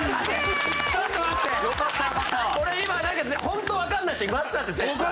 ホントわかんない人いましたって絶対。